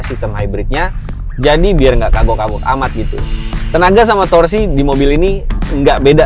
sistem hybridnya jadi biar enggak kago kabuk amat gitu tenaga sama torsi di mobil ini enggak beda